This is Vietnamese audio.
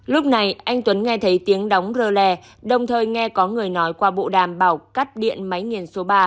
lúc này anh tuấn nghe thấy tiếng đóng rơ lè đồng thời nghe có người nói qua bộ đàm bảo cắt điện máy nghiền số ba